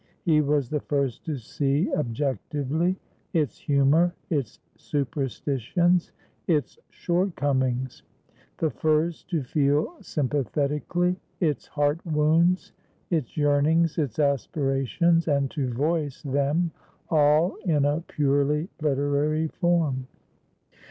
He was the first to see objectively its humor, its superstitions, its shortcomings; the first to feel sympathetically its heart wounds, its yearnings, its aspirations, and to voice them all in a purely literary form.